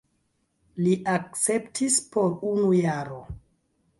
Li akceptis por unu jaro.